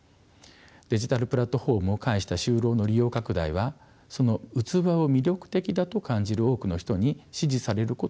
デジタルプラットフォームを介した就労の利用拡大はその器を魅力的だと感じる多くの人に支持されることが必要です。